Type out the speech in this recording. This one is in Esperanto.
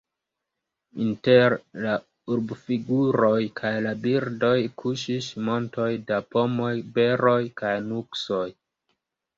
Inter la urbfiguroj kaj la birdoj kuŝis montoj da pomoj, beroj kaj nuksoj.